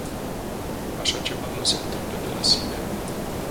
Așa ceva nu se întâmplă de la sine.